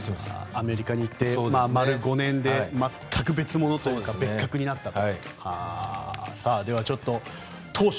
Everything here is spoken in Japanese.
アメリカに行って丸５年で全く別物というか別格になったと。